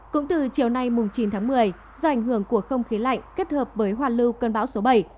cũng từ chiều nay chín tháng một mươi do ảnh hưởng của không khí lạnh kết hợp với hoàn lưu cơn bão số bảy